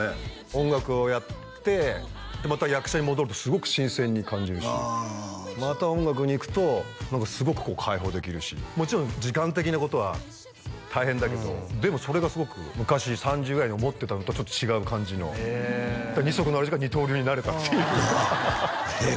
音楽をやってまた役者に戻るとすごく新鮮に感じるしまた音楽にいくとすごく解放できるしもちろん時間的なことは大変だけどでもそれがすごく昔３０ぐらいに思ってたのとちょっと違う感じの二足のわらじが二刀流になれたっていうええ